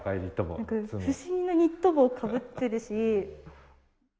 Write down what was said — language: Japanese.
不思議なニット帽かぶってるし。